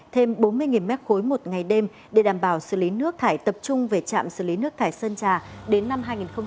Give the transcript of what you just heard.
thêm bốn mươi m ba một ngày đêm để đảm bảo xử lý nước thải tập trung về trạm xử lý nước thải sơn trà đến năm hai nghìn ba mươi